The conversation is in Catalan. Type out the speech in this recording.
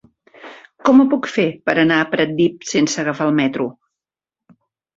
Com ho puc fer per anar a Pratdip sense agafar el metro?